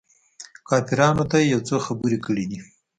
کافرانو ته يې يو څو خبرې کړي دي.